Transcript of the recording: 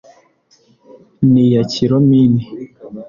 N'iya Kilomini.